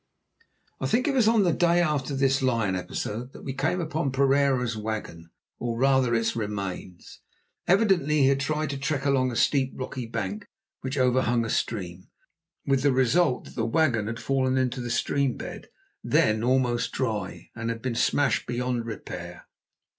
I think it was on the day after this lion episode that we came upon Pereira's wagon, or rather its remains. Evidently he had tried to trek along a steep, rocky bank which overhung a stream, with the result that the wagon had fallen into the stream bed, then almost dry, and been smashed beyond repair.